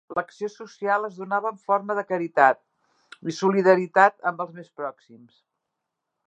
L'acció social es donava en forma de caritat i solidaritat amb els més pròxims.